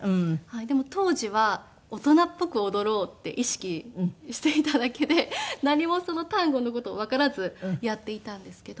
でも当時は大人っぽく踊ろうって意識していただけで何もタンゴの事をわからずやっていたんですけど。